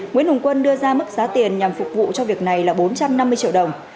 nguyễn hồng quân đưa ra mức giá tiền nhằm phục vụ cho việc này là bốn trăm năm mươi triệu đồng